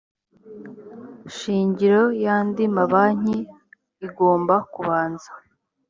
shingiro y andi mabanki igomba kubanza